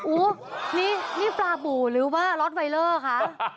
โอ๊ยนี่นี่ปลาบูหรือว่าล็อตไฟเลอร์คะ